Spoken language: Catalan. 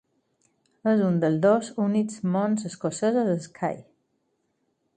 És un dels dos únics monts escocesos a Skye.